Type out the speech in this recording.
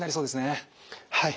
はい。